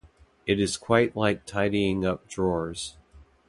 It is quite like tidying up drawers.